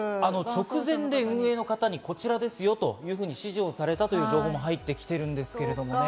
直前で運営の方に、こちらですよと指示されたという情報も入ってきているんですけどね。